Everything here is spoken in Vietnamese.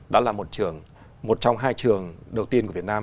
đã là một trong hai trường đầu tiên của việt nam